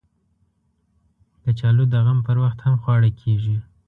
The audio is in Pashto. کچالو د غم پر وخت هم خواړه کېږي